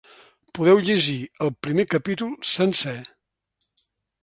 Podeu llegir el primer capítol sencer.